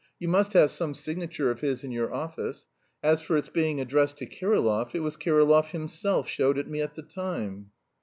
You must have some signature of his in your office. As for its being addressed to Kirillov, it was Kirillov himself showed it me at the time."